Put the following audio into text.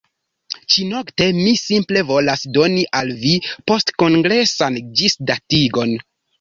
Ĉi-nokte mi simple volas doni al vi postkongresan ĝisdatigon